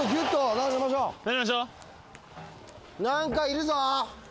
何かいるぞ。